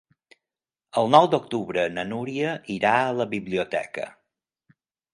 El nou d'octubre na Núria irà a la biblioteca.